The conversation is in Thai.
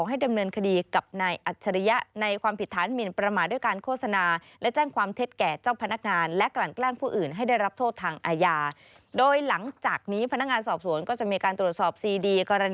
ให้ดำเนินคดีกับเขาดูหมินสาร